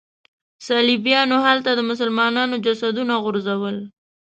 صلیبیانو هلته د مسلمانانو جسدونه غورځول.